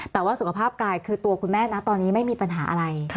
แต่ว่าสุขภาพกายคือตัวคุณแม่นะตอนนี้ไม่มีปัญหาอะไร